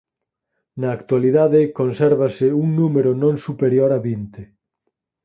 Na actualidade consérvase un número non superior a vinte.